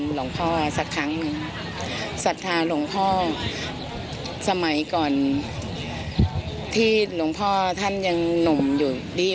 หลวงพ่อสักครั้งหนึ่งศรัทธาหลวงพ่อสมัยก่อนที่หลวงพ่อท่านยังหนุ่มอยู่ดี